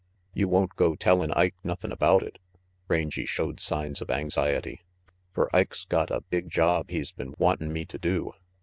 "You won't go tellin' Ike nothin about it?" Rangy showed signs of anxiety, "fer Ike's got a big job he's been wantin' me to do.